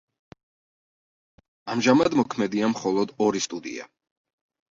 ამჟამად მოქმედია მხოლოდ ორი სტუდია.